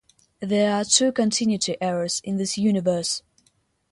There are two continuity errors in this universe.